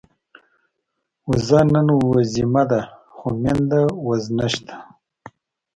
وزه نن وزيمه ده، خو مينده وز نشته